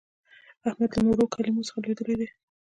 احمد له مړو کلمو څخه لوېدلی دی.